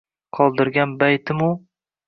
Qoldirgan baytimu